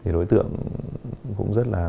đối tượng cũng rất là